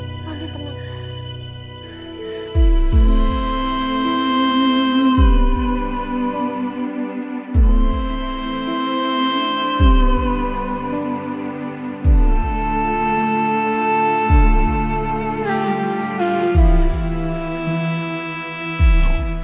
mas bandit tenang